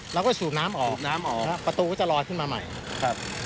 สูบน้ำออกน้ำออกครับประตูก็จะลอยขึ้นมาใหม่ครับ